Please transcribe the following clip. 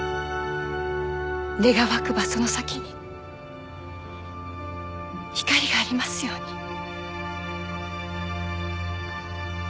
願わくばその先に光がありますように。